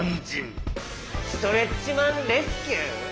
ストレッチマン☆レスキュー？